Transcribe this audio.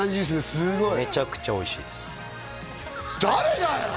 すごいめちゃくちゃおいしいです誰だよ！